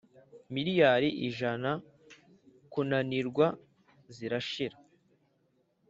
miliyari ijana kunanirwa zirashira